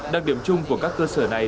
đặc điểm chung của các cơ sở này